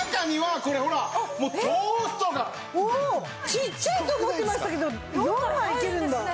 ちっちゃいと思ってましたけど４枚いけるんだ。